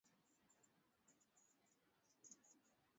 kwa ajili ya waandishi wa habari wanaotokea Myanmar,